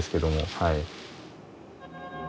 はい。